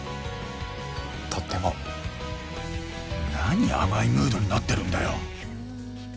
とっても何甘いムードになってるんだよ